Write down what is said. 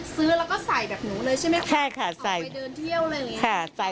ชุดอังเงียนไทยสวยน่ารัก